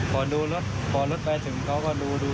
พอรถไปถึงเค้าก็ดู